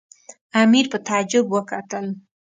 امیر په تعجب وکتل.